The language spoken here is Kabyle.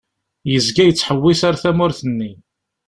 Yezga yettḥewwis ar tmurt-nni.